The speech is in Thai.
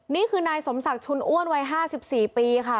นี่คือนายสมศักดิ์ชุนอ้วนวัย๕๔ปีค่ะ